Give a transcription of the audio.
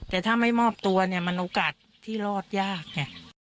แต่ถ้าไม่มอบตัวเนี่ยมันโอกาสที่รอดยากไง